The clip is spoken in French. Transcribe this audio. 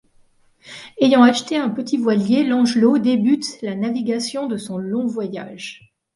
Ayant acheté un petit voilier, Langelot débute la navigation de son long voyage.